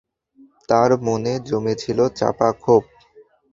তাঁর মনে জমে ছিল চাপা ক্ষোভ।